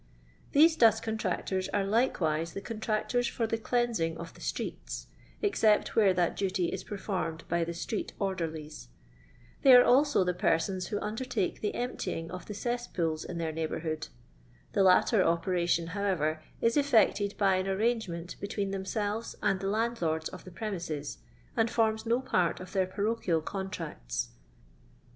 These dust contractors are likewise the con tractors for the cleansing of the streets, except where that duty is performed by the Street Order lies ; they are also the persons who undertake the emptying of the cesspools in their neighbour hood ; the Utter operation, however, is effected by an arrangement between themselves and the land lords of the premises, and forms no part of their parochial contracts.